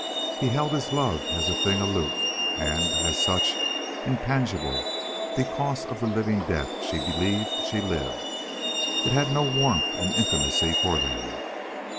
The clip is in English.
He held his love as a thing aloof, and, as such, intangible because of the living death she believed she lived, it had no warmth and intimacy for them.